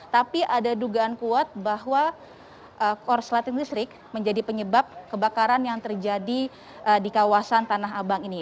tapi ada dugaan kuat bahwa korsleting listrik menjadi penyebab kebakaran yang terjadi di kawasan tanah abang ini